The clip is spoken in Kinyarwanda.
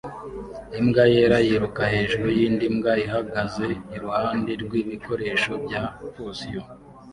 Imbwa yera yiruka hejuru yindi mbwa ihagaze iruhande rwibikoresho bya patio